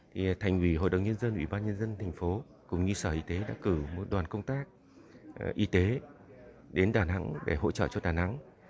thì thành ủy hội đồng nhân dân ủy ban nhân dân thành phố cũng như sở y tế đã cử một đoàn công tác y tế đến đà nẵng để hỗ trợ cho đà nẵng